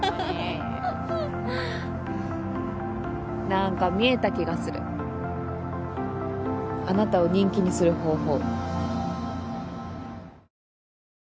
何か見えた気がするあなたを人気にする方法。